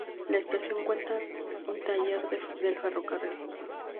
La estación cuenta un taller del ferrocarril.